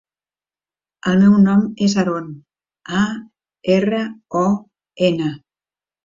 El meu nom és Aron: a, erra, o, ena.